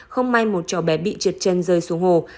không may một cháu bé bị trượt chân rơi xuống hồ